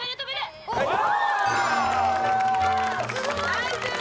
ナイス！